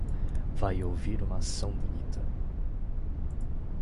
Vai ouvir uma ação bonita.